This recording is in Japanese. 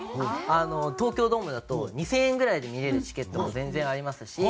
東京ドームだと２０００円ぐらいで見れるチケットも全然ありますし。